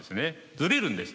ずれるんです。